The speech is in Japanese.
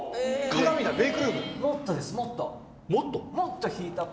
もっとですもっと。